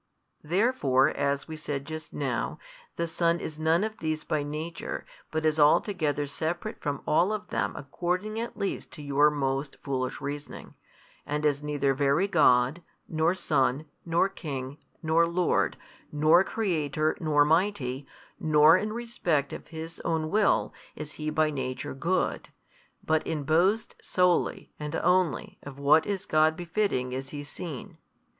Therefore as we said just now, the Son is none of these by nature, but is altogether separate from all of them according at least to your most foolish reasoning, and is neither Very God, nor Son, nor King, nor Lord, nor Creator, nor Mighty, nor in respect of His own "Will is He by Nature Good: but in boasts solely and only of what is God befitting is He seen.